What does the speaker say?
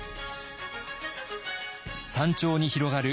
山頂に広がる